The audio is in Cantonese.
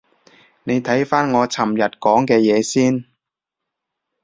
你睇返我尋日講嘅嘢先